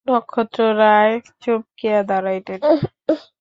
নক্ষত্ররায় চমকিয়া দাঁড়াইলেন।